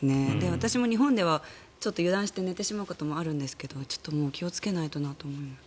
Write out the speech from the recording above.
私も日本ではちょっと油断して寝てしまうことあるんですがちょっと気をつけないとなと思いました。